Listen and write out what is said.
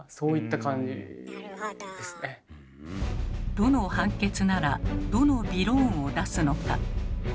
どの判決ならどのびろーんを出すのか。